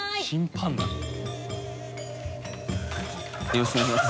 よろしくお願いします。